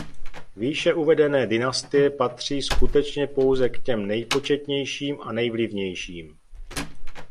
Výše uvedené dynastie patří skutečně pouze k těm nejpočetnějším a nejvlivnějším.